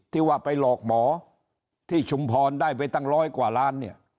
ที่ว่าไปหลอกหมอที่ชุมพรได้ไปตั้งร้อยกว่าล้านเนี่ย